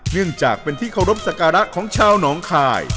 เนื่องจากเป็นที่เคารพสักการะของชาวหนองคาย